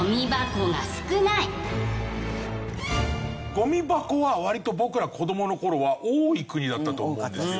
ゴミ箱は割と僕ら子どもの頃は多い国だったと思うんですよ。